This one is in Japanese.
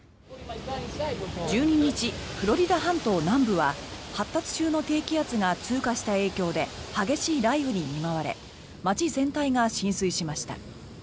１２日、フロリダ半島南部は発達中の低気圧が通過した影響で激しい雷雨に見舞われ街全体が浸水しました。